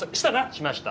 しました。